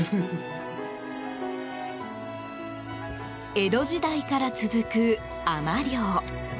江戸時代から続く海女漁。